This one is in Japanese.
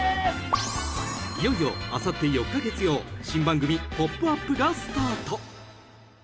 ［いよいよあさって４日月曜新番組『ポップＵＰ！』がスタート！］